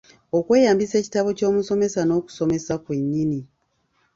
Okweyambisa ekitabo ky'omusomesa n'okusomesa kwennyini.